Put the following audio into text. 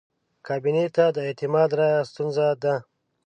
کابینې ته د اعتماد رایه ستونزه ده.